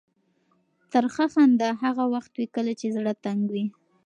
ترخه خندا هغه وخت وي کله چې زړه تنګ وي.